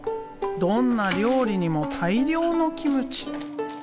どんな料理にも大量のキムチ。